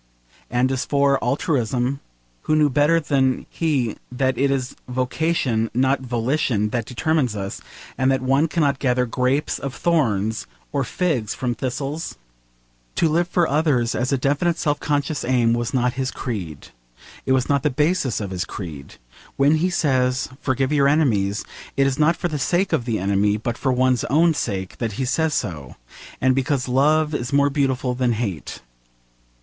And as for altruism, who knew better than he that it is vocation not volition that determines us, and that one cannot gather grapes of thorns or figs from thistles? To live for others as a definite self conscious aim was not his creed. It was not the basis of his creed. When he says, 'Forgive your enemies,' it is not for the sake of the enemy, but for one's own sake that he says so, and because love is more beautiful than hate.